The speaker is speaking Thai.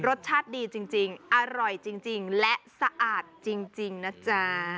รสชาติดีจริงจริงอร่อยจริงจริงและสะอาดจริงจริงนะจ๊ะ